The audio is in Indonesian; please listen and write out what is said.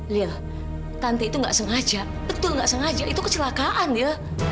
liel tante itu gak sengaja betul gak sengaja itu kecelakaan liel